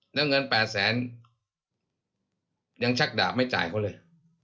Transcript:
แล้วเงิน๘แสนยังชักดาบไม่จ่ายเขาเลย